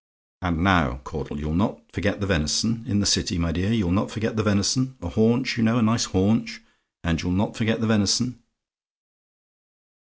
"And now, Caudle, you'll not forget the venison? In the City, my dear? You'll not forget the venison? A haunch, you know; a nice haunch. And you'll not forget the venison